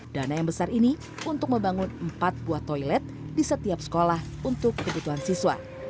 dana yang besar ini untuk membangun empat buah toilet di setiap sekolah untuk kebutuhan siswa